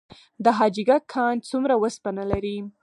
د حاجي ګک کان څومره وسپنه لري؟